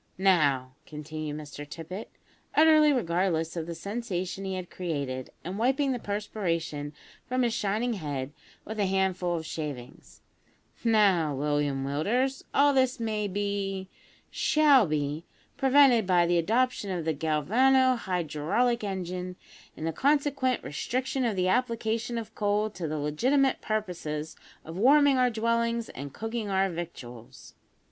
"Now," continued Mr Tippet, utterly regardless of the sensation he had created, and wiping the perspiration from his shining head with a handful of shavings; "now, William Willders, all this may be, shall be, prevented by the adoption of the galvano hydraulic engine, and the consequent restriction of the application of coal to the legitimate purposes of warming our dwellings and cooking our victuals.